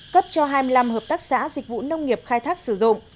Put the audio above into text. cấp cho hai mươi năm hợp tác xã dịch vụ nông nghiệp khai thác sử dụng